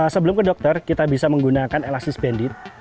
sebelum ke dokter kita bisa menggunakan elastis bandit